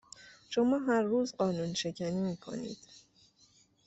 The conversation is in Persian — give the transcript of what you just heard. شما هر روز قانونشکنی میکنید